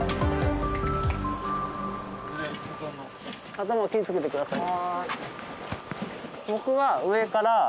頭気ぃ付けてください。